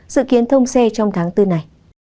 dự kiến thông xe trong tháng bốn này